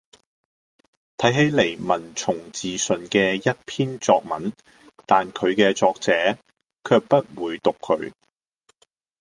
睇起嚟文從字順嘅一篇作文，但佢嘅作者卻不會讀佢